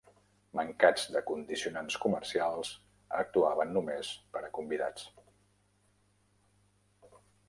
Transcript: Mancats de condicionants comercials, actuaven només per a convidats.